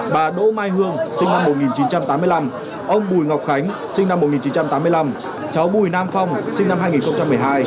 bà đỗ mai hương sinh năm một nghìn chín trăm tám mươi năm ông bùi ngọc khánh sinh năm một nghìn chín trăm tám mươi năm cháu bùi nam phong sinh năm hai nghìn một mươi hai